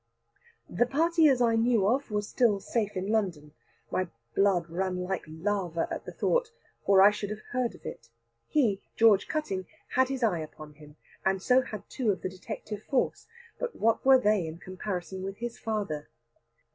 "The party as I knew of" was still safe in London my blood ran like lava at the thought or I should have heard of it. He, George Cutting, had his eye upon him, and so had two of the detective force; but what were they in comparison with his father?